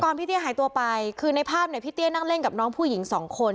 พี่เตี้ยหายตัวไปคือในภาพเนี่ยพี่เตี้ยนั่งเล่นกับน้องผู้หญิงสองคน